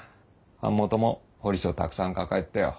版元も彫り師をたくさん抱えてたよ。